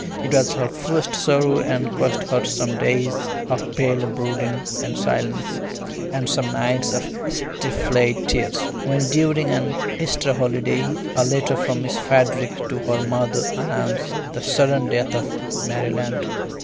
It was her first sorrow and cost her some days of pale brooding and silence, and some nights of stifled tears, when during an Easter holiday a letter from Miss Frederick to her mother announced the sudden death of Mary Lant.